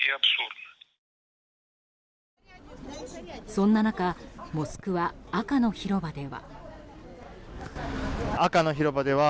そんな中モスクワ、赤の広場では。